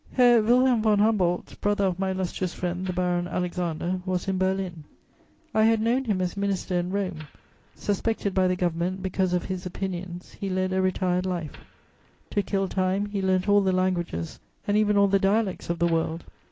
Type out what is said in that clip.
Herr Wilhelm von Humboldt, brother of my illustrious friend the Baron Alexander, was in Berlin: I had known him as minister in Rome; suspected by the Government because of his opinions, he led a retired life; to kill time, he learnt all the languages and even all the dialects of the world.